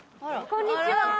こんにちは。